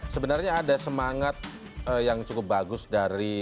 sebenarnya ada semangat yang cukup bagus dari